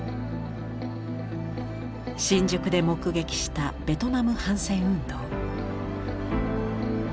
新宿で目撃したベトナム反戦運動。